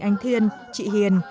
anh thiên chị hiền